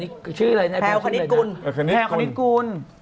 ที่มีฝนแพลวคณิตกูล